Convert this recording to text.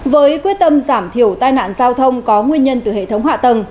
với quyết tâm giảm thiểu tai nạn giao thông có nguyên nhân từ hệ thống hạ tầng